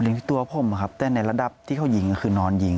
เล็งที่ตัวผมครับแต่ในระดับที่เขาหญิงคือนอนหญิง